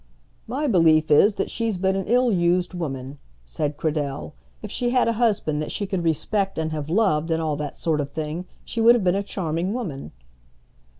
"My belief is, that she's been an ill used woman," said Cradell. "If she had a husband that she could respect and have loved, and all that sort of thing, she would have been a charming woman."